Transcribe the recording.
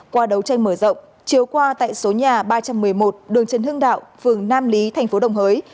qua đấu tranh mở rộng chiều qua tại số nhà ba trăm một mươi một đường trần hưng đạo phường nam lý thành phố đồng hới